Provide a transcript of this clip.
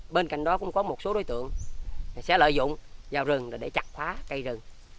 bên cạnh đó cũng có một số đối tượng sẽ lợi dụng vào rừng để chặt khóa cây rừng